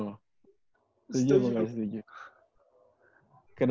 setuju apa gak setuju